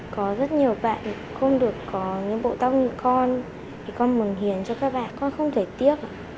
có rất nhiều bạn không được có những bộ tóc như con thì con mừng hiền cho các bạn con không thể tiếc